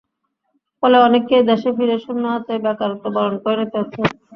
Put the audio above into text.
ফলে অনেককেই দেশে ফিরে শূন্য হাতে বেকারত্ব বরণ করে নিতে হচ্ছে।